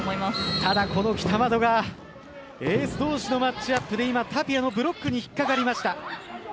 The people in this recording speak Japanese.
ただ、北窓がエース同士のマッチアップで今、タピアのブロックに引っかかりました。